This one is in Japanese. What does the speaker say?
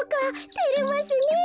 てれますねえ。